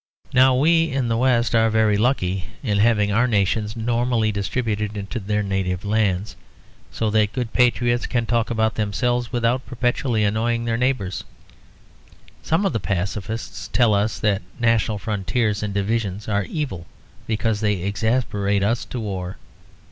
Now we in the West are very lucky in having our nations normally distributed into their native lands; so that good patriots can talk about themselves without perpetually annoying their neighbours. Some of the pacifists tell us that national frontiers and divisions are evil because they exasperate us to war.